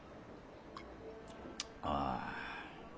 ああ。